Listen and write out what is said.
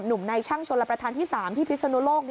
หนุ่มในช่างชนรประทานที่๓ที่พิศนโลก